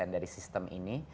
dari sistem ini